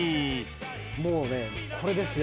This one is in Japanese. もうね、これですよ。